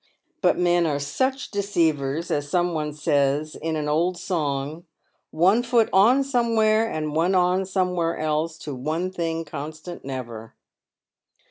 But men are such deceivers, as some one says in an old song — one foot on somewhere, and one on somewhere else to one thing constant never."